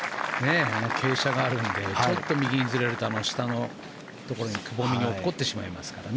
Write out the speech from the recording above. あの傾斜があるのでちょっと右にずれると下のところに、くぼみに落っこちてしまいますから。